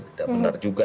tidak benar juga